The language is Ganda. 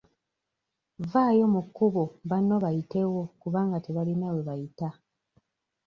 Vvaayo mu kkubo banno bayitewo kubanga tebalina we bayita.